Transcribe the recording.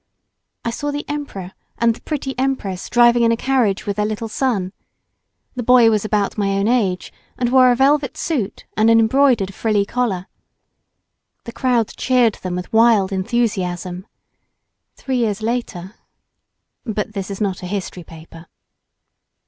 I saw the Emperor and the pretty Empress driving in a carriage with their little son. The boy was about my own age, and wore a velvet suit and an embroidered frilly collar. The crowd cheered them with wild enthusiasm. Three years later But this is not a history paper.